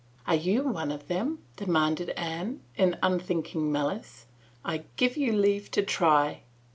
" Are you one of them ?" demanded Anne in unthink ing malice. " I give you leave to try."